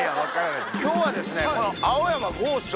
今日はですねこの。